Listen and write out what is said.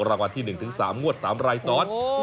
รางวัลที่๑๓งวด๓ไรสอน